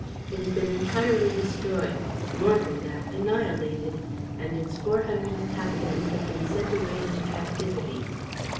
It has been entirely destroyed, more than that, annihilated; and its four hundred inhabitants have been sent away into captivity.